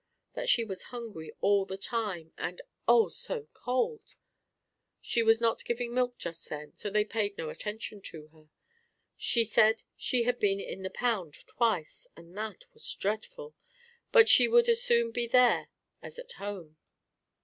That she was hungry all the time, and "oh, so cold." She was not giving milk just then, so they paid no attention to her. She said she had been in the pound twice, and that was dreadful, but she would as soon be there as at home.